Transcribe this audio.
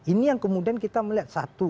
ini yang kemudian kita melihat satu